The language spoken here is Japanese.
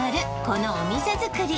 このお店づくり